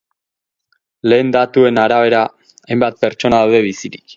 Lehen datuen arabera, hainbat pertsona daude bizirik.